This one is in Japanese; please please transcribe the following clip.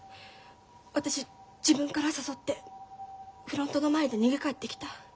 私自分から誘ってフロントの前で逃げ帰ってきた。